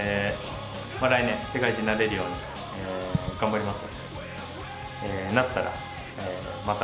来年、世界一になれるように、頑張ります。